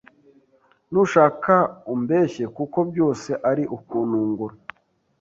nushaka umbeshye kuko byose ari ukuntungura”